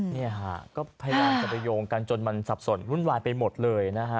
เนี่ยฮะก็พยายามจะไปโยงกันจนมันสับสนวุ่นวายไปหมดเลยนะฮะ